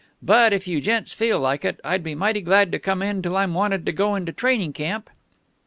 But, if you gents feel like it, I'd be mighty glad to come in till I'm wanted to go into training camp."